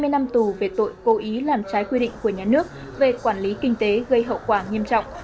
hai mươi năm tù về tội cố ý làm trái quy định của nhà nước về quản lý kinh tế gây hậu quả nghiêm trọng